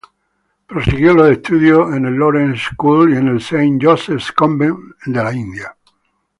Prosiguió los estudios en el "Lawrence School" y el "St Joseph's Convent" de India.